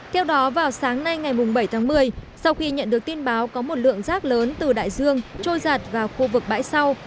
theo đó vào sáng nay ngày bảy tháng một mươi sau khi nhận được tin báo có một lượng rác lớn từ đại dương trôi giạt vào khu vực bãi sau